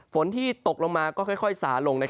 ฝนที่ตกลงมาก็ค่อยสาลง